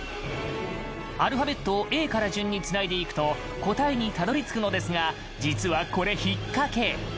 アルファベットを「Ａ」から順につないでいくと答えにたどりつくのですが実はこれ、ひっかけ。